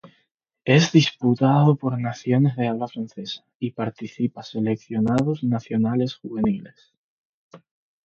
Es disputado por naciones de habla francesa y participa seleccionados nacionales juveniles.